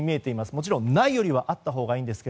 もちろん、ないよりはあったほうがいいんですが。